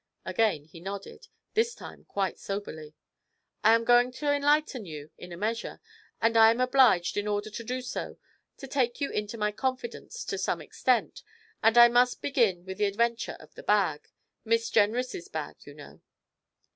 Again he nodded; this time quite soberly. 'I am going to enlighten you, in a measure, and I am obliged, in order to do so, to take you into my confidence, to some extent, and I must begin with the adventure of the bag Miss Jenrys' bag, you know.'